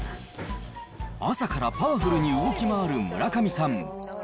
朝からパワフルに動き回る村上さん。